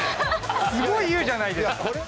すごい言うじゃないですか。